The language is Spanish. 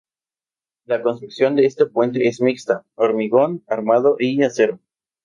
La construcción del este puente es mixta, hormigón armado y acero.